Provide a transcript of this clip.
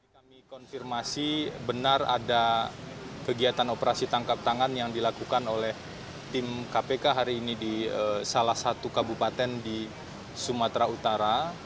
kami konfirmasi benar ada kegiatan operasi tangkap tangan yang dilakukan oleh tim kpk hari ini di salah satu kabupaten di sumatera utara